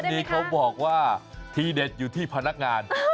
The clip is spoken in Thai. อันนี้เขาบอกว่าทีเด็ดอยู่ที่พนักงาน